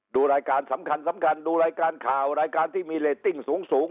ดูรายการสำคัญสำคัญดูรายการข่าวรายการที่มีเรตติ้งสูง